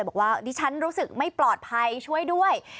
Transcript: บอกว่าดิฉันรู้สึกไม่ปลอดภัยช่วยด้วย